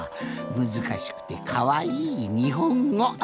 むずかしくてかわいいにほんご。